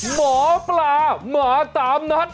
หมอปลาหมาตามนัด